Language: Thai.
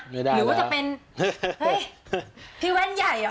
ไม่ได้แล้วหรือว่าจะเป็นพี่แว่นใหญ่เหรอ